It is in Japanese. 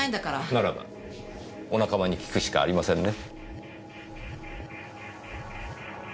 ならばお仲間に聞くしかありませんね。